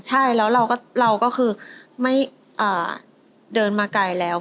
ใช่แล้วเราก็คือไม่เดินมาไกลแล้ว